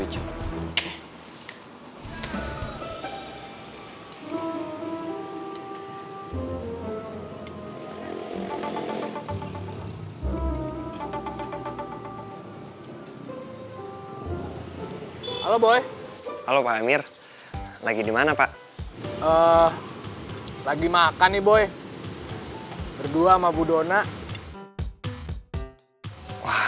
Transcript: halo boy halo pak emir lagi di mana pak lagi makan nih boy berdua mafudona